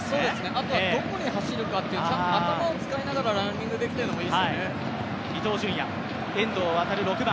あとはどこに走るかという、頭を使いながらランニングできているのもいいですよね。